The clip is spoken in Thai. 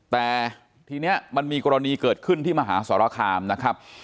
แต่ทีนี้มันมีกรณีเกิดขึ้นที่มหาสรคามนะครับ